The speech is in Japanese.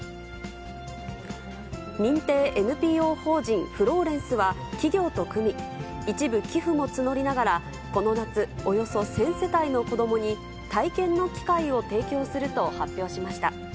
認定ＮＰＯ法人フローレンスは、企業と組み、一部寄付も募りながら、この夏、およそ１０００世帯の子どもに、体験の機会を提供すると発表しました。